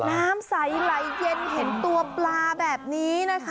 น้ำใสไหลเย็นเห็นตัวปลาแบบนี้นะคะ